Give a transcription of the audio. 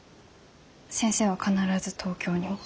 先生は必ず東京に戻る。